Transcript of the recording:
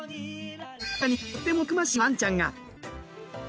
アメリカにとってもたくましいワンちゃんが。